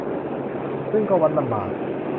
ซึ่งก็วัดลำบาก